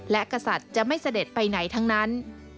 และกษัตริย์จะไม่เสด็จไปไหนทั้งนั้น